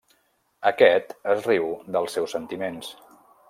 Aquest es riu dels seus sentiments.